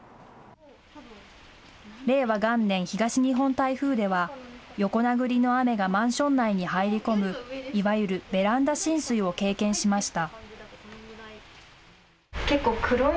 令和元年東日本台風では、横殴りの雨がマンション内に入り込む、いわゆるベランダ浸水を経験しました。